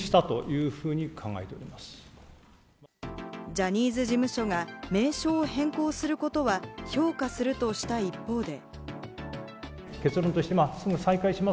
ジャニーズ事務所が名称を変更することは評価するとした一方で。